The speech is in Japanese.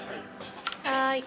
はい。